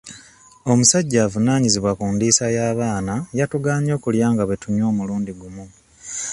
Omusajja avunaanyizibwa ku ndiisa y'abaana yatugaanye okulya nga bwe tunywa omulundi ogumu.